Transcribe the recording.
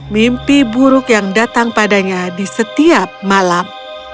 mimpi buruk yang datang padanya di setiap malam